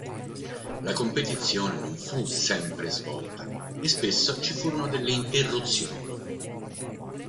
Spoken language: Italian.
La competizione non fu sempre svolta e spesso ci furono delle interruzioni.